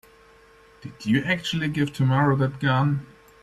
Did you actually give Tamara that gun?